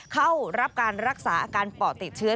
เข้ารับการรักษาอาการปอดติดเชื้อ